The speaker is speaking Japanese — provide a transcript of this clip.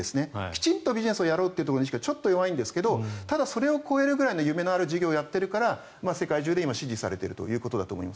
きちんとビジネスをやろうという意識が弱いんですがただ、それを超えるぐらいの夢のある事業をやっているから世界中で支持されていると。